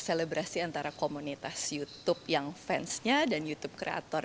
selebrasi antara komunitas youtube yang fansnya dan youtube kreator